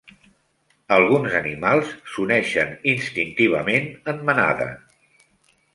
Alguns animals s"uneixen instintivament en manada.